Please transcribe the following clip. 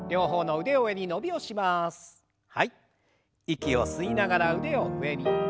息を吸いながら腕を上に。